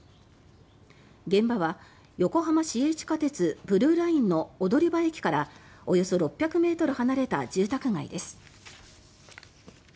現場は横浜市営地下鉄ブルーラインの踊場駅からおよそ６００ｍ離れた住宅街です。